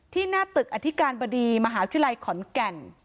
หน้าตึกอธิการบดีมหาวิทยาลัยขอนแก่น